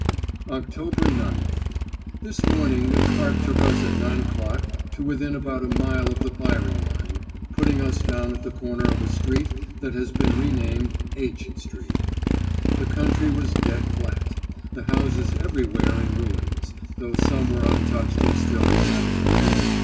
"October 9th. This morning a cart took us at nine o'clock to within about a mile of the firing line, putting us down at the corner of a street that has been renamed 'H Street.' The country was dead flat; the houses everywhere in ruins, though some were untouched and still inhabited.